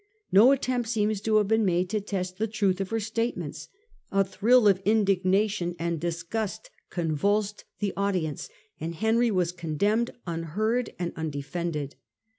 No attempt seems to have been made to test the truth of her statements; a thrill of indignation and disgust convulsed the audience, and Henry was condemned unheard and undefended.